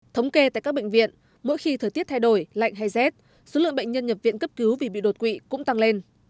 thống kê tại các bệnh viện mỗi khi thời tiết thay đổi lạnh hay rét số lượng bệnh nhân nhập viện cấp cứu vì bị đột quỵ cũng tăng lên